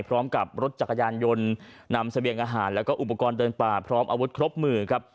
พร้อมกับรถจักรยานยนต์นำเสบียงอาหารแล้วก็อุปกรณ์เดินป่าพร้อมอาวุธครบมือครับ